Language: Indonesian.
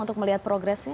untuk melihat progress nya